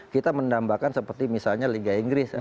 kita mendambakan seperti misalnya liga inggris ya